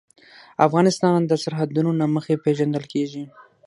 افغانستان د سرحدونه له مخې پېژندل کېږي.